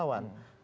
kemudian dia balik